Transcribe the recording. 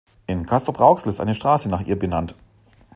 In Castrop-Rauxel ist eine Straße nach ihr benannt.